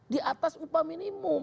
di atas upah minimum